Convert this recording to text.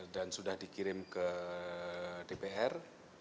dan sudah dikirim ke dpr